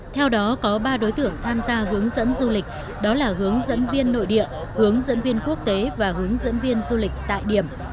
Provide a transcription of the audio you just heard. theo đó có ba đối tượng tham gia hướng dẫn du lịch đó là hướng dẫn viên nội địa hướng dẫn viên quốc tế và hướng dẫn viên du lịch tại điểm